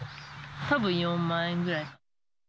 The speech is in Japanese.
たぶん４万円ぐらい。